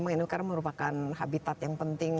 ini merupakan habitat yang penting